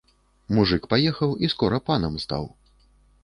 Мужык паехаў і скора панам стаў.